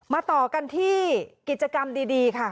ต่อกันที่กิจกรรมดีค่ะ